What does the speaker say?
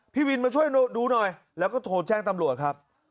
พี่วินมาช่วยดูหน่อยแล้วก็โทรแจ้งตำรวจครับ